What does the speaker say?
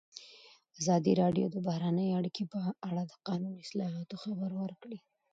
ازادي راډیو د بهرنۍ اړیکې په اړه د قانوني اصلاحاتو خبر ورکړی.